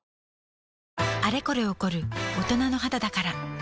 あれこれ起こる大人の肌だから